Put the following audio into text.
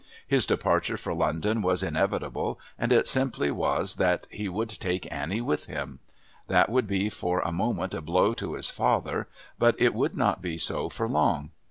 His departure for London was inevitable, and it simply was that he would take Annie with him. That would be for a moment a blow to his father, but it would not be so for long.